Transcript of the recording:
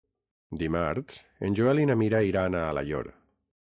Dimarts en Joel i na Mira iran a Alaior.